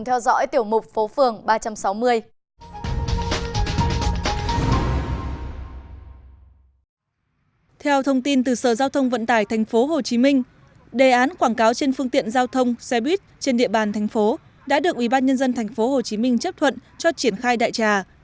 theo thông tin từ sở giao thông vận tải tp hcm đề án quảng cáo trên phương tiện giao thông xe buýt trên địa bàn thành phố đã được ubnd tp hcm chấp thuận cho triển khai đại trà